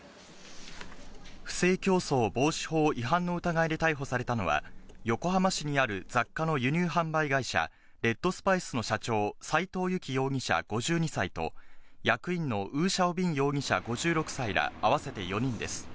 不正競争防止法違反の疑いで逮捕されたのは、横浜市にある雑貨の輸入販売会社、レッドスパイスの社長、斉藤雪容疑者５２歳と、役員のウー・シャオ・ビン容疑者５６歳ら合わせて４人です。